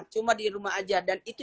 cuma di rumah aja dan itu